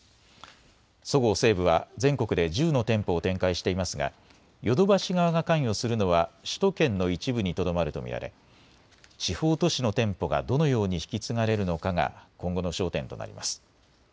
そごう・西武は全国で１０の店舗を展開していますが、ヨドバシ側が関与するのは首都圏の一部にとどまると見られ、地方都市の店舗がどのように引き継がれるのかが、今後の焦点となります。